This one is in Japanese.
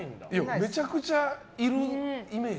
めちゃくちゃいるイメージ。